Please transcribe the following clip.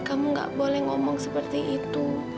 kamu gak boleh ngomong seperti itu